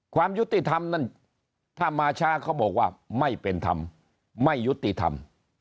ความยุติธรรมนั่นถ้ามาช้าเขาบอกว่าไม่เป็นธรรมไม่ยุติธรรม